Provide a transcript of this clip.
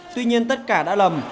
tuy nhiên tất cả đã lầm